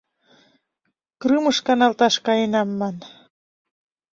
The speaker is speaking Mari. Крымыш каналташ каенам ман.